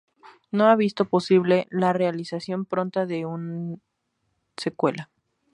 No ha visto posible, la realización pronta de un secuela.